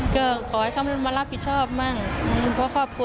เกินขอให้เขาเนินมารับผิดชอบมั่งเพราะครอบัว